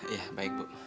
ya baik bu